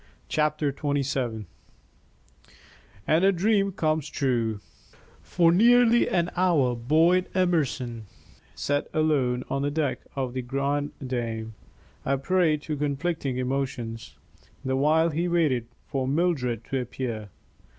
CHAPTER XXVII AND A DREAM COMES TRUE For nearly an hour Boyd Emerson sat alone on the deck of The Grande Dame, a prey to conflicting emotions, the while he waited for Mildred to appear.